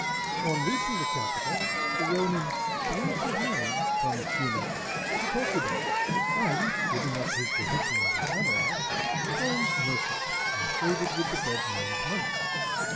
On reaching the capital, the ronin changed his name from Shume to Tokubei, and, giving up his position as a samurai, turned merchant, and traded with the dead man's money.